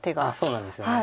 そうなんですよね。